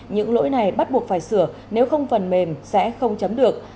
những lỗi này bắt buộc phải sửa nếu không phần mềm sẽ không chấm được